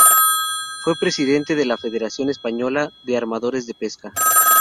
Fue presidente de la Federación Española de Armadores de Pesca.